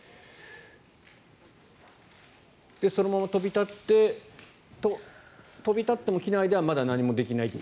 そのまま飛び立っても機内ではまだ何もできないという。